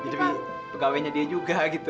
tapi pegawainya dia juga gitu